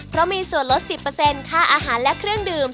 เพราะมีส่วนลด๑๐ค่าอาหารและเครื่องดื่ม